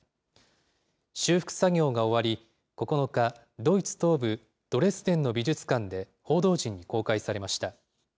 修復作業が終わり、９日、ドイツ東部ドレスデンの美術館で、報道陣に公開されました。